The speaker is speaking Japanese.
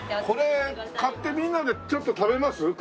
これ買ってみんなでちょっと食べます？